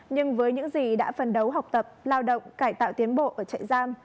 nhưng với những gì đã phần đấu học tập lao động cải tạo tiến bộ ở chạy giam